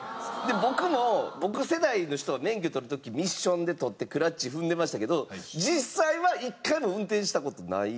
僕も僕世代の人が免許取る時ミッションで取ってクラッチ踏んでましたけど実際は一回も運転した事ない。